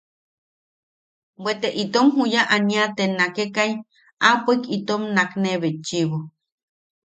Bwe te itom juya ania te naknekai aapoik itom nakne betchiʼibo.